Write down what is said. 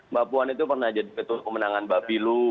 mbak puan itu pernah jadi betul pemenangan babilu